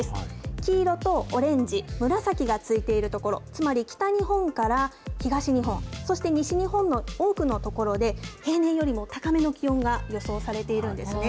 黄色とオレンジ、紫がついている所、つまり、北日本から東日本、そして西日本の多くの所で、平年よりも高めの気温が予想されているんですね。